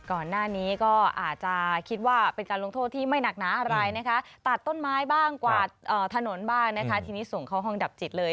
ก่อนหน้านี้ก็อาจจะคิดว่าเป็นการลงโทษที่ไม่หนักหนาอะไรนะคะตัดต้นไม้บ้างกวาดถนนบ้างนะคะทีนี้ส่งเข้าห้องดับจิตเลย